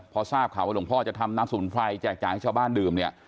พอทราบค่ะว่าหลวงพ่อจะทำน้ำสูบผลัยแจกจ่ายให้ชาวบ้านดื่ม